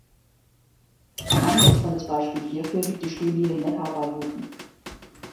Ein eindrucksvolles Beispiel hierfür gibt die Studie „Neckar bei Hofen“.